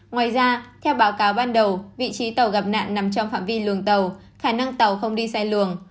ngoài ra theo báo cáo ban đầu vị trí tàu gặp nạn nằm trong phạm vi luồng tàu khả năng tàu không đi sai luồng